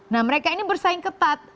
nah mereka ini bersaing ketat